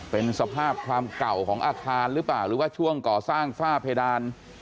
เป็นสภาพความเก่าของอาคารหรือเปล่าหรือว่าช่วงก่อสร้างฝ้าเพดาน